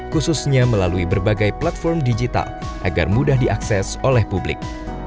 khususnya melalui berbagai platform digital agar mudah diakses oleh publik